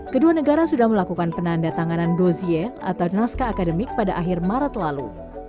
kedua negara sudah melakukan penanda tanganan dozier atau naskah akademik pada akhir maret lalu